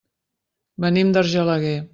Venim d'Argelaguer.